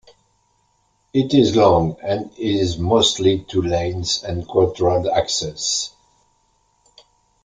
It is long, and is mostly two lanes and controlled access.